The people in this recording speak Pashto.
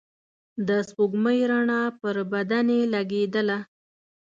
د سپوږمۍ رڼا پر بدنې لګېدله.